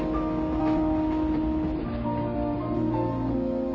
うん。